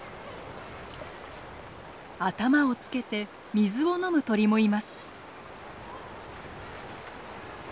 頭をつけて水を飲む鳥もいます。